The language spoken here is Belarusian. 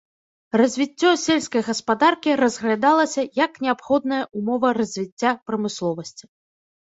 Развіццё сельскай гаспадаркі разглядалася як неабходная ўмова развіцця прамысловасці.